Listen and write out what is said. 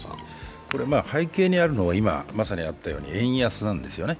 背景にあるのは、円安なんですよね。